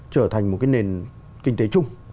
trở thành một cái nền kinh tế chung